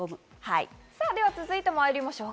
続いてまいりましょう。